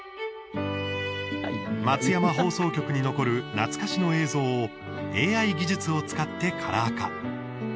松山放送局に残る懐かしの映像をＡＩ技術を使ってカラー化。